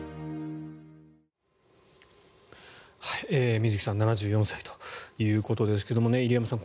水木さん７４歳ということですけれど入山さん